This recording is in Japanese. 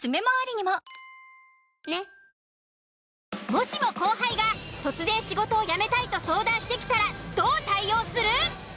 もしも後輩が突然仕事を辞めたいと相談してきたらどう対応する？